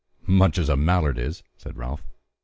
"Much as a mallard is," said Ralph.